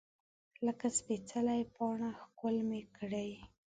لکه سپیڅلې پاڼه ښکل مې کړې